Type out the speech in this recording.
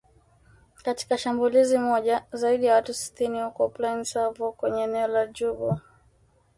Katika shambulizi moja zaidi ya watu sitini huko Plaine Savo kwenye eneo la Djubu